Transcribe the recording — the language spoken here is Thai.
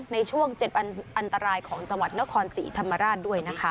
ในช่วง๗อันตรายของจังหวัดนครศรีธรรมราชด้วยนะคะ